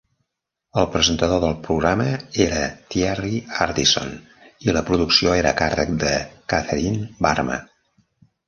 El presentador del programa era Thierry Ardisson i la producció era a càrrec de Catherine Barma.